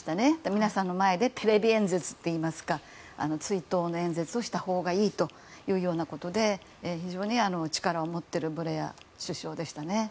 皆さんの前でテレビ演説というか追悼の演説をしたほうがいいということで非常に力を持っているブレア首相でしたね。